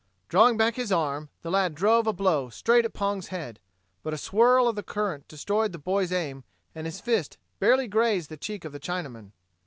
Drawing back his arm, the lad drove a blow straight at Pong's head, but a swirl of the current destroyed the boy's aim and his fist barely grazed the cheek of the Chinaman.